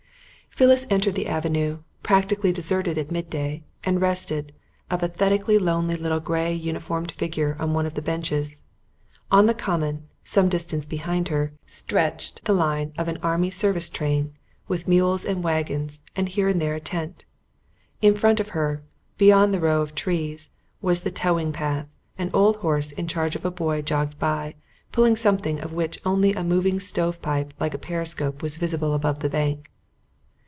Phyllis entered the avenue, practically deserted at midday, and rested, a pathetically lonely little grey uniformed figure on one of the benches. On the common, some distance behind her, stretched the lines of an Army Service train, with mules and waggons, and here and there a tent. In front of her, beyond the row of trees, was the towing path; an old horse in charge of a boy jogged by, pulling something of which only a moving stove pipe like a periscope was visible above the bank.